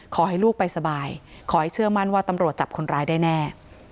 ขอให้ลูกไปสบายขอให้เชื่อมั่นว่าตำรวจจับคนร้ายได้แน่